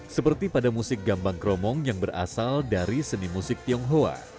seperti pada musik gambang kromong yang berasal dari seni musik tionghoa